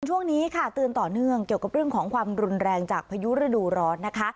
ช่วงนี้ค่ะเตือนต่อเนื่องเกี่ยวกับเรื่องของความรุนแรงจากพายุฤดูร้อนนะคะ